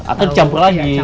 atau dicampur lagi